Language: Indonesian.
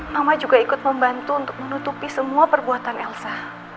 mama juga ikut membantu untuk menutupi semua perbuatan elsa